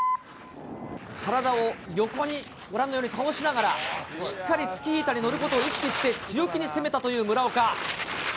体を横にご覧のように倒しながら、しっかりスキー板に乗ることを意識して、強気に攻めたという村岡。